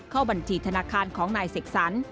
เข้าบัญชีธนาคารของนายเสกสรร